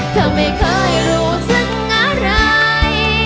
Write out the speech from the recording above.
เธอไม่เคยรู้สักอะไร